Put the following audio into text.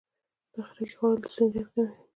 د خټکي خوړل د ستوني درد کموي.